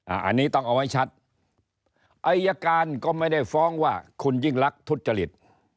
อันนี้ต้องเอาไว้ชัดอายการก็ไม่ได้ฟ้องว่าคุณยิ่งรักทุจริต